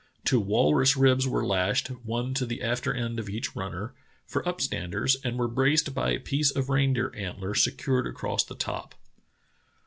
Two walrus ribs were lashed, one to the after end of each runner, for up standers, and were braced by a piece of reindeer antler secured across the top."